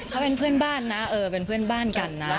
เขาเป็นเพื่อนบ้านนะเออเป็นเพื่อนบ้านกันนะ